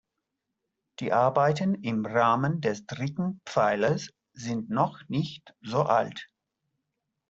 Die Arbeiten im Rahmen des dritten Pfeilers sind noch nicht so alt.